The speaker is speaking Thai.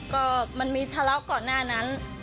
ก็มันมีทะเลาะก่อนหน้านั้น